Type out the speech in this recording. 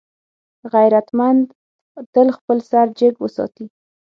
غیرتمند تل خپل سر جګ وساتي